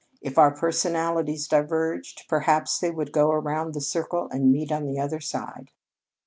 If our personalities diverged, perhaps they would go around the circle and meet on the other side."